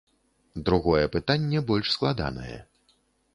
Другое пытанне больш складанае.